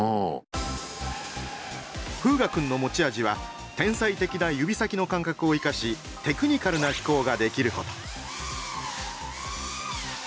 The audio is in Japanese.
風雅君の持ち味は天才的な指先の感覚を生かしテクニカルな飛行ができること。